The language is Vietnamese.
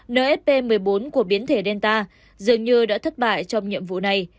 nfp một mươi bốn của biến thể delta dường như đã thất bại trong nhiệm vụ này